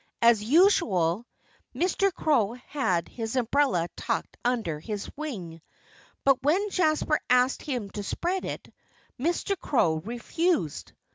As usual, Mr. Crow had his umbrella tucked under his wing. But when Jasper asked him to spread it, Mr. Crow refused.